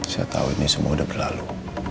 saya tahu ini semua sudah berlalu